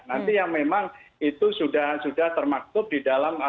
nanti yang memang itu sudah termaktub di dalam